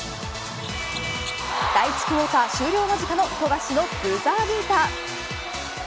第１クオーター終了間近の富樫のブザービーター。